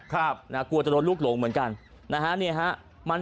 กลัวจะโดนลูกหลงเหมือนกัน